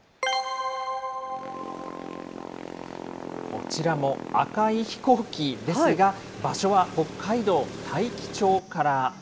こちらも赤い飛行機ですが、場所は北海道大樹町から。